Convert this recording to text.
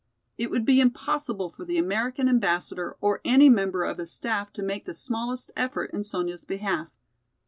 It would be impossible for the American Ambassador or any member of his staff to make the smallest effort in Sonya's behalf.